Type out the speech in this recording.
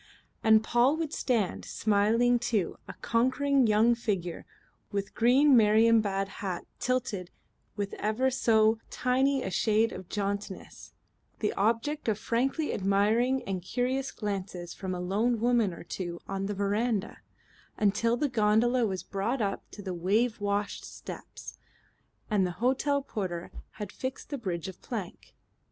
And Paul would stand, smiling too, a conquering young figure with green Marienbad hat tilted with ever so tiny a shade of jauntiness, the object of frankly admiring and curious glances from a lone woman or two on the veranda, until the gondola was brought up to the wave washed steps, and the hotel porter had fixed the bridge of plank.